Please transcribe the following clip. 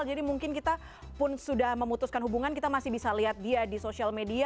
jadi mungkin kita pun sudah memutuskan hubungan kita masih bisa lihat dia di sosial media